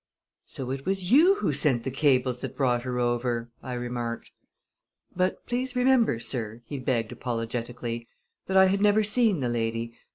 "So it was you who sent the cables that brought her over!" I remarked. "But please remember, sir," he begged apologetically, "that I had never seen the lady.